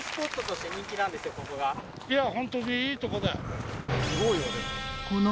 いや本当にいいとこだよ。